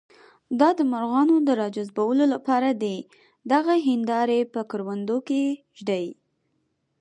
دا د مرغانو د راجذبولو لپاره دي، دغه هندارې په کروندو کې ږدي.